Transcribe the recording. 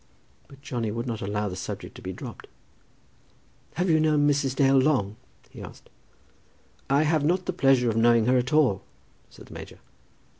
But Johnny would not allow the subject to be dropped. "Have you known Mrs. Dale long?" he asked. "I have not the pleasure of knowing her at all," said the major.